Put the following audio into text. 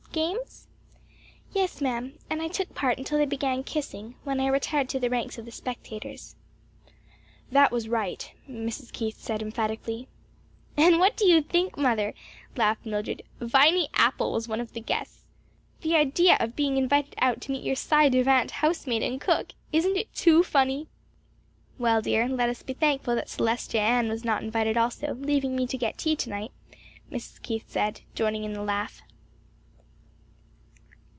"Games?" "Yes, ma'am; and I took part until they began kissing; when I retired to the ranks of the spectators." "That was right," Mrs. Keith said emphatically. "And what do you think, mother?" laughed Mildred. "Viny Apple was one of the guests. The idea of being invited out to meet your ci devant housemaid and cook! isn't it too funny?" "Well, dear, let us be thankful that Celestine Ann was not invited also; leaving me to get tea to night," Mrs. Keith said, joining in the laugh.